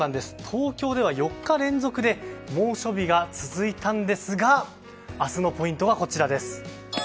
東京では４日連続で猛暑日が続いたんですが明日のポイントはこちらです。